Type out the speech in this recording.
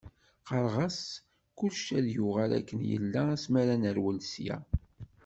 Qqareɣ-as kullec ad yuɣal akken yella asmi ara nerwel sya.